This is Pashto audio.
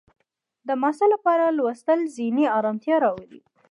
د محصل لپاره لوستل ذهني ارامتیا راولي.